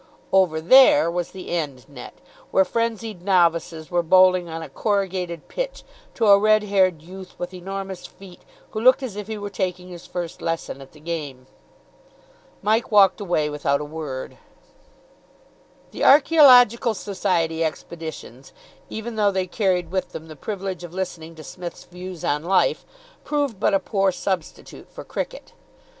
"Over there" was the end net, where frenzied novices were bowling on a corrugated pitch to a red haired youth with enormous feet, who looked as if he were taking his first lesson at the game. Mike walked away without a word. The Archaeological Society expeditions, even though they carried with them the privilege of listening to Psmith's views on life, proved but a poor substitute for cricket.